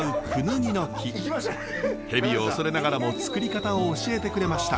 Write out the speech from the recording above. ヘビを恐れながらもつくり方を教えてくれました。